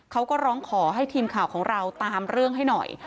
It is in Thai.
เขาก็ร้องขอให้ทีมข่าวของเราตามเรื่องให้หน่อย